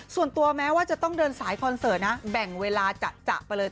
ส่วนตัวแม้ว่าจะต้องเดินสายคอนเสิร์ตนะแบ่งเวลาจะไปเลย